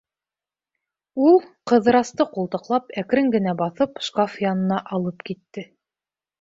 Ул, Ҡыҙырасты ҡултыҡлап, әкрен генә баҫып, шкаф янына алып китте.